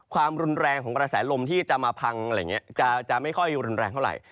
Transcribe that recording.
ความรุนแรงที่จะมาพังไม่ค่อยรุนแรงเท่าไร